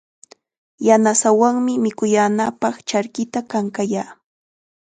Yanasaawanmi mikuyaanapaq charkita kankayaa.